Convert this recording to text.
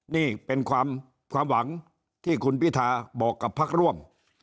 นี่เป็นความหวังที่คุณพิทาบอกกับพักร่วม